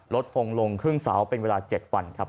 คงลงครึ่งเสาเป็นเวลา๗วันครับ